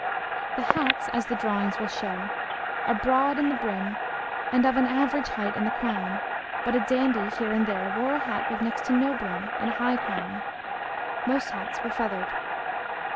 The hats, as the drawings will show, are broad in the brim and of an average height in the crown, but a dandy, here and there, wore a hat with next to no brim and a high crown. Most hats were feathered.